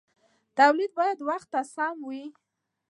تولید باید وخت ته سم وي.